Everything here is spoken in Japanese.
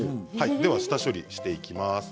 下処理していきます。